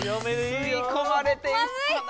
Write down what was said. すいこまれていったな。